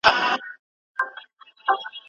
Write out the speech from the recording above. د لښکر سرته سرته تلې کونډه دې کړمه